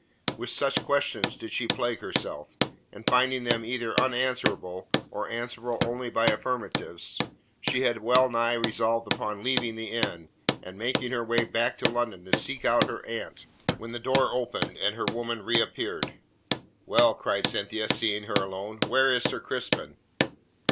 With such questions did she plague herself, and finding them either unanswerable, or answerable only by affirmatives, she had well nigh resolved upon leaving the inn, and making her way back to London to seek out her aunt, when the door opened and her woman reappeared. "Well?" cried Cynthia, seeing her alone. "Where is Sir Crispin?"